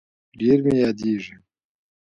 ډير مي ياديږي